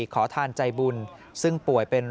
ขอทานใจบุญซึ่งป่วยเป็น